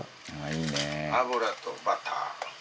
油とバター。